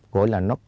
gọi là nó